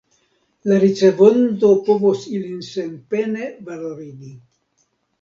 La ricevonto povos ilin senpene valorigi.